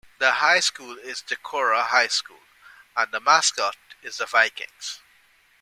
The high school is Decorah High School, and the mascot is the Vikings.